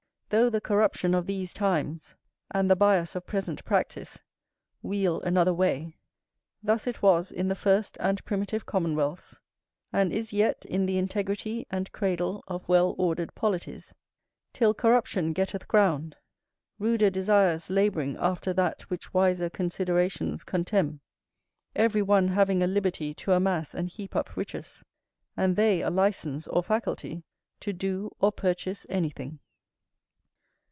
Though the corruption of these times, and the bias of present practice, wheel another way, thus it was in the first and primitive commonwealths, and is yet in the integrity and cradle of well ordered polities: till corruption getteth ground; ruder desires labouring after that which wiser considerations contemn; every one having a liberty to amass and heap up riches, and they a licence or faculty to do or purchase anything.